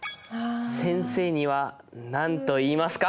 先生には何と言いますか？